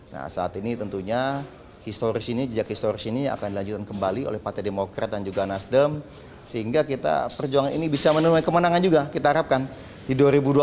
nah saat ini tentunya historis ini jejak historis ini akan dilanjutkan kembali oleh partai demokrat dan juga nasdem sehingga kita perjuangan ini bisa menemui kemenangan juga kita harapkan di dua ribu dua puluh empat